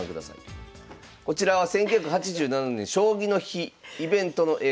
こちらは１９８７年「将棋の日」イベントの映像。